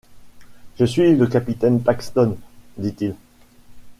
Je suis le capitaine Paxton, dit-il.